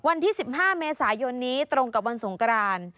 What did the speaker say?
วันที่๑๕เมษายนนี้ตรงกับวันสงกราน